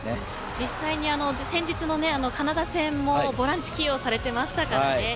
実際に、先日のカナダ戦もボランチ起用されていましたからね。